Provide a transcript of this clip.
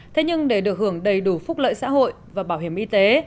thế nhưng để được hưởng đầy đủ phúc lợi xã hội và bảo hiểm y tế